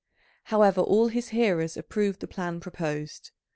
However, all his hearers approved the plan proposed.